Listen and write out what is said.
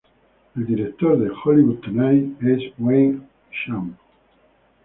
El director de "Hollywood Tonight" es Wayne Isham.